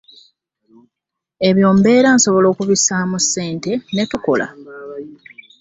Ebyo mbeera nsobola okubissaamu ssente ne tukola.